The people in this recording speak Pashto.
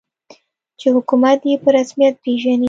چې حکومت یې په رسمیت پېژني.